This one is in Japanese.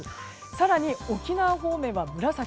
更に沖縄方面は紫。